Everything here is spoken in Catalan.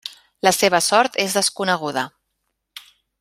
La seva sort és desconeguda.